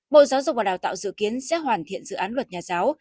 bộ giáo dục và đào tạo dự kiến sẽ hoàn thiện dự án luật nhà giáo